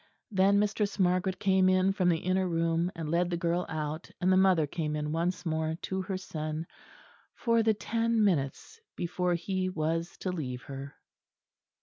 Then Mistress Margaret came in from the inner room, and led the girl out; and the mother came in once more to her son for the ten minutes before he was to leave her.